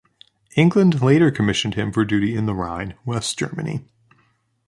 England later commissioned him for duty in the Rhine, West Germany.